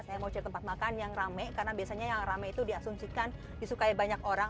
saya mau cari tempat makan yang rame karena biasanya yang rame itu diasumsikan disukai banyak orang